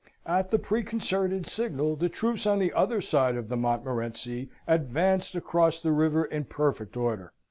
At the preconcerted signal the troops on the other side of the Montmorenci avanced across the river in perfect order.